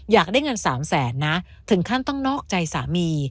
อยากได้เงิน๓แสนนะถึงขั้นต้องนอกใจสามี